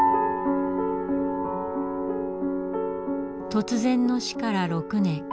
突然の死から６年。